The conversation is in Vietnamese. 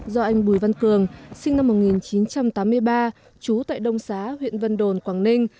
do anh bùi văn cường sinh năm một nghìn chín trăm tám mươi ba trú tại đông xá huyện vân đồn quảng ninh